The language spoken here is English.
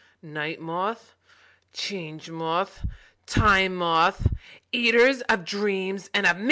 Night Moth, Change Moth, Time Moth, eaters of dreams and of me!